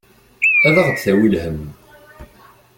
Ad aɣ-d-tawi lhemm.